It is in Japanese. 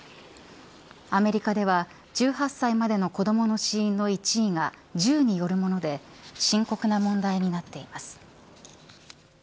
アメリカでは１８歳までの子どもの死因の１位が銃によるもので深刻な問題になっています。